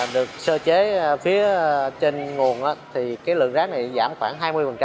được sơ chế phía trên nguồn thì cái lượng rác này giảm khoảng hai mươi